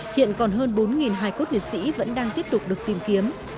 hiện còn hơn bốn hài cốt liệt sĩ vẫn đang tiếp tục được tìm kiếm